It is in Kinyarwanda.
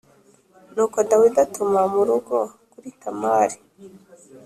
Nuko Dawidi atuma mu rugo kuri Tamari